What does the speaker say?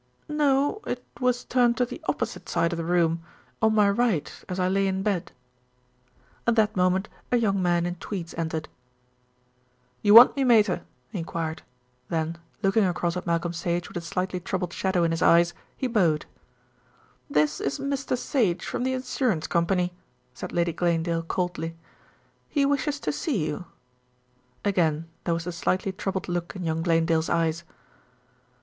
"No, it was turned to the opposite side of the room, on my right as I lay in bed." At that moment a young man in tweeds entered. "You want me, Mater?" he enquired; then, looking across at Malcolm Sage with a slightly troubled shadow in his eyes, he bowed. "This is Mr. Sage from the insurance company," said. Lady Glanedale coldly. "He wishes to see you." Again there was the slightly troubled look in young Glanedale's eyes.